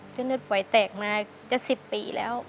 เส้นเลือดฝอยแตกมาจะ๑๐ปีแล้ว